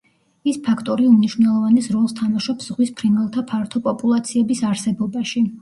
ეს ფაქტორი უმნიშვნელოვანეს როლს თამაშობს ზღვის ფრინველთა ფართო პოპულაციების არსებობაში.